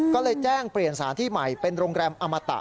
ก็เลยแจ้งเปลี่ยนสถานที่ใหม่เป็นโรงแรมอมตะ